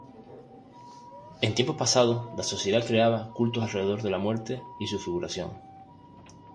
En tiempos pasados, la sociedad creaba cultos alrededor de la muerte y su figuración.